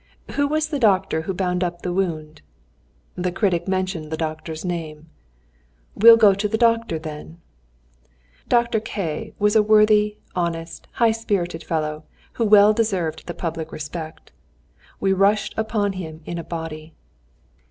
"Who was the doctor who bound up the wound?" The critic mentioned the doctor's name. "We'll go to the doctor, then." Dr. K y was a worthy, honest, high spirited fellow, who well deserved the public respect. We rushed upon him in a body.